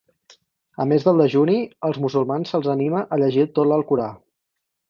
A més del dejuni, als musulmans se'ls anima a llegir tot l'Alcorà.